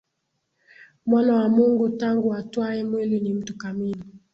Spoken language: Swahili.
Mwana wa Mungu tangu atwae mwili ni mtu kamili